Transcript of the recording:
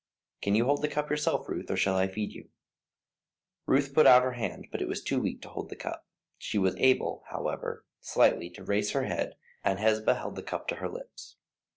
"Can you hold the cup yourself, Ruth, or shall I feed you?" Ruth put out her hand, but it was too weak to hold the cup. She was able, however, slightly to raise her head, and Hesba held the cup to her lips.